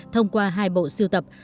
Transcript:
thông qua hai bộ siêu tập